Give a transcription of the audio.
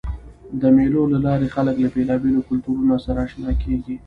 د مېلو له لاري خلک له بېلابېلو کلتورونو سره اشنا کېږي.